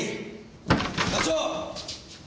課長！